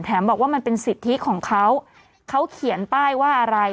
บอกว่ามันเป็นสิทธิของเขาเขาเขียนป้ายว่าอะไร